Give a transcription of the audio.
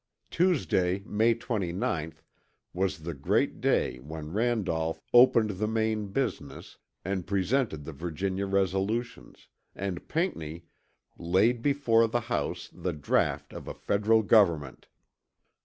Tuesday May 29th was the great day when Randolph "opened the main business" and presented the Virginia resolutions, and Pinckney "laid before, the House the draught of a Federal Government."